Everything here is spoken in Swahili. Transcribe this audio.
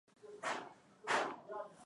Rais wa Kenya ni daktari William ruto